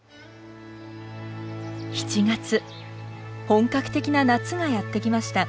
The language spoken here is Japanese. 本格的な夏がやって来ました。